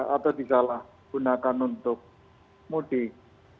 atau bisa lah gunakan untuk mudik